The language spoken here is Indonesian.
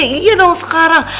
iya dong sekarang